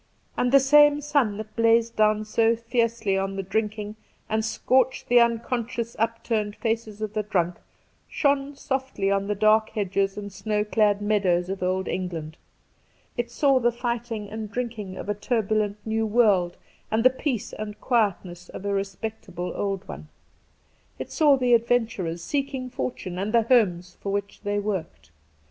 And the same sun that blazed down so fiercely on the drinking, and scorched the unconscious upturned faces of the drunk, shone softly on the dark hedges and snow clad meadows of old England. It saw the fighting and drinking of a turbulent New World and the peace and quietness of a respectable Old one. It saw the adventurers seeking fortune and the homes for which they worked.